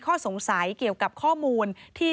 ข้อสงสัยเกี่ยวกับข้อมูลที่